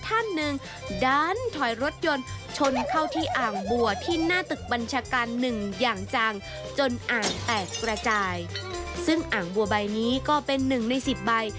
อ่างบัวใบนี้ก็เป็นหนึ่งในสิบใบ